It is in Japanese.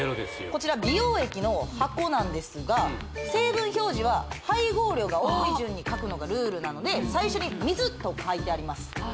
こちら美容液の箱なんですが成分表示は配合量が多い順に書くのがルールなので最初に水と書いてあります